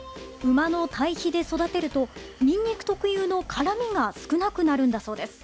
馬のたい肥で育てるとにんにく特有の辛みが少なくなるんだそうです。